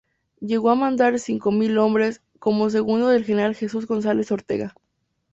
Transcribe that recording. Llegó a mandar cinco mil hombres, como segundo del general Jesús González Ortega.